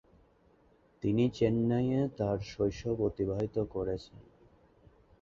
তিনি চেন্নাইয়ে তাঁর শৈশব অতিবাহিত করেছেন।